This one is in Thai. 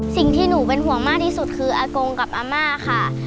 สิ่งที่หนูเป็นห่วงมากที่สุดคืออากงกับอาม่าค่ะ